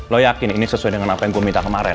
lo yakin ini sesuai dengan apa yang gue minta kemarin